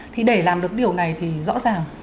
thì để làm được điều này thì rõ ràng